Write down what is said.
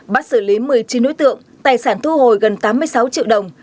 bắt xử lý một mươi chín đối tượng tài sản thu hồi gần tám mươi sáu triệu đồng